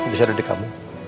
bisa ada di kamu